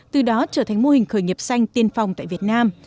từ đó trở thành mô hình khởi nghiệp xanh tiên phòng tại việt nam